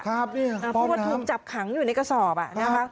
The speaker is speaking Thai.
เพราะว่าถูกจับขังอยู่ในกระสอบนะคะ